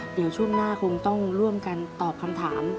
เดี๋ยวช่วงหน้าคงต้องร่วมกันตอบคำถาม